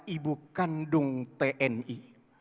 ibu kandung tni